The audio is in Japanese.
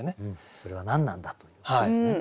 それは何なんだということですよね。